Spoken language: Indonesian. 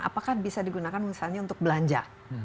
apakah bisa digunakan misalnya untuk belanja